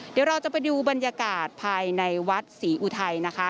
เดี๋ยวเราจะไปดูบรรยากาศภายในวัดศรีอุทัยนะคะ